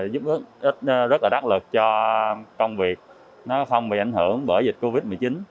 giúp rất đắt lực cho công việc không bị ảnh hưởng bởi dịch covid một mươi chín